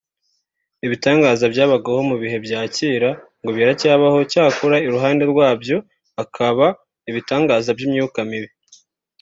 Ibitangaza byabagaho mu bihe bya kera ngo biracyariho cyakora iruhande rwabyo hakaba ibitangaza by’imyuka mibi